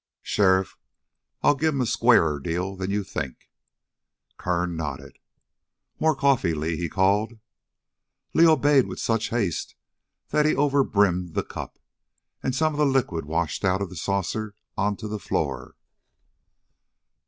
"Sheriff, I'll give him a squarer deal than you think." Kern nodded. "More coffee, Li!" he called. Li obeyed with such haste that he overbrimmed the cup, and some of the liquid washed out of the saucer onto the floor.